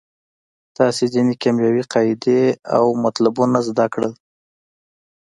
تاسې ځینې کیمیاوي قاعدې او مطلبونه زده کړل.